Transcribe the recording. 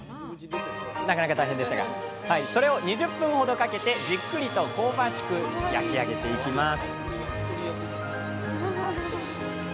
それを２０分ほどかけてじっくりと香ばしく焼き上げていきます